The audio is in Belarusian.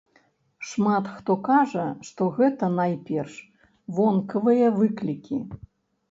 Шмат хто кажа, што гэта, найперш, вонкавыя выклікі.